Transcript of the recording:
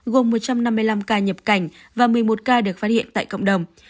gồm một trăm năm mươi năm ca nhập cảnh và một mươi một ca được phát hiện tại cộng đồng